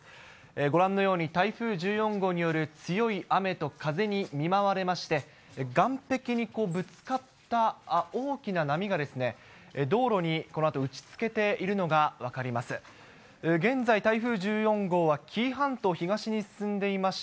ご覧のように台風１４号による強い雨と風に見舞われまして、岸壁にぶつかった大きな波が道路にこのあと打ちつけているのが分かります。